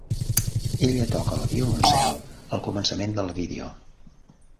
Ella toca el violoncel al començament del vídeo.